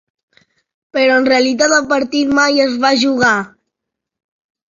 Però en realitat el partit mai es va jugar.